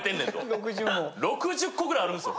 ・６０も・６０個ぐらいあるんですよ